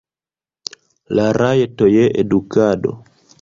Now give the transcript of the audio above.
La rajto je edukado.